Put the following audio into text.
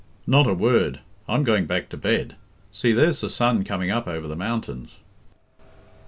"Not a word. I'm going back to bed. See, there's the sun coming up over the mountains."